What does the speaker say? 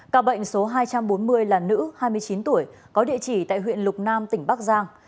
ca bệnh số hai trăm bốn mươi là nữ hai mươi chín tuổi có địa chỉ tại huyện lục nam tỉnh bắc giang